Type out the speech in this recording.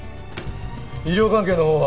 医療関係の方は？